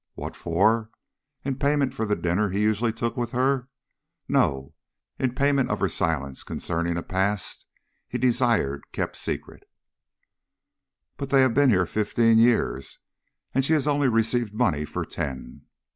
What for? In payment for the dinner he usually took with her? No, in payment of her silence concerning a past he desired kept secret." "But they have been here fifteen years and she has only received money for ten."